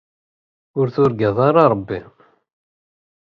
Ur turǧaḍ ara Ṛebbi!